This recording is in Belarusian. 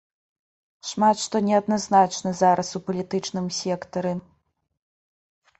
Шмат што неадназначна зараз у палітычным сектары.